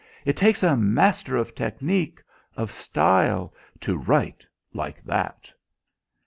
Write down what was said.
It takes a master of technique, of style, to write like that."